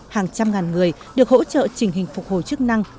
hàng trăm ngàn người được hỗ trợ trình hình phục hồi chức năng